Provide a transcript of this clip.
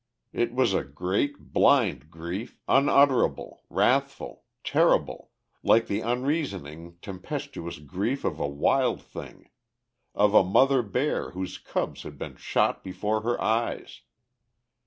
It was a great, blind grief, unutterable, wrathful, terrible, like the unreasoning, tempestuous grief of a wild thing, of a mother bear whose cubs had been shot before her eyes.